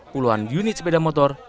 puluhan unit sepeda motor